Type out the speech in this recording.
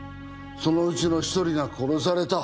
そのうちの１人が殺された。